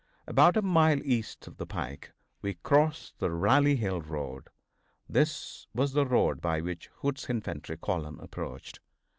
About a mile east of the pike we crossed the Rally Hill road. This was the road by which Hood's infantry column approached.